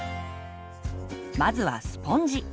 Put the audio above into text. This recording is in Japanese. まずはスポンジ。